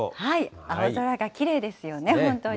青空がきれいですよね、本当に。